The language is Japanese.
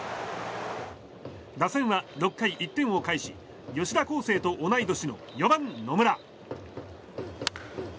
打線は６回、１点を返し吉田輝星と同い年の４番、野村。